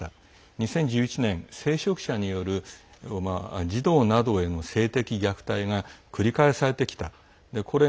２０１１年、聖職者による児童などへの性的虐待が繰り返されてきた。